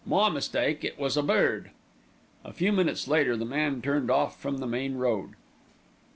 "My mistake; it was a bird." A few minutes later the man turned off from the main road.